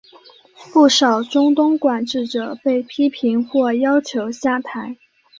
不少中东管治者被批评或要求下台。